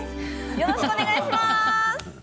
よろしくお願いします。